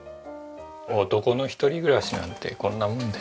男の１人暮らしなんてこんなもんです。